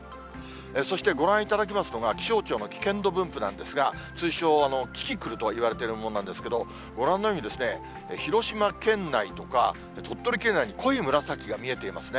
そしてご覧いただきますのが、気象庁の危険度分布なんですが、通称キキクルともいわれているものなんですけれども、ご覧のように、広島県内とか、鳥取県内に濃い紫が見えていますね。